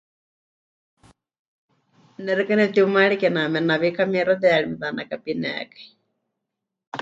Ne xeikɨ́a nepɨtiumaari kename nawí kamixateyari mete'anakapinekai.